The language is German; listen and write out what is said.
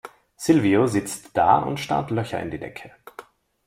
Silvio sitzt da und starrt Löcher in die Decke.